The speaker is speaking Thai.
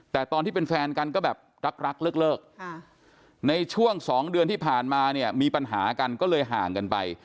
แต่ตอนที่เป็นแฟนกันก็แบบรักเลิกในช่วง๒เดือนที่ผ่านมาเนี่ยมีปัญหากันก็เลยห่างกันไป